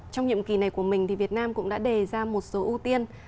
trong nhiệm kỳ này của mình việt nam cũng đã đề ra một số ưu tiên